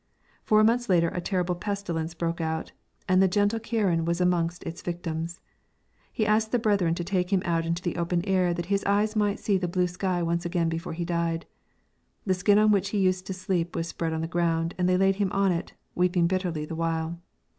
Four months later a terrible pestilence broke out, and the gentle Ciaran was amongst its victims. He asked the brethren to take him out into the open air that his eyes might see the blue sky once again before he died. The skin on which he used to sleep was spread on the ground and they laid him on it, weeping bitterly the while.